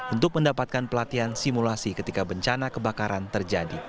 untuk mendapatkan pelatihan simulasi ketika bencana kebakaran terjadi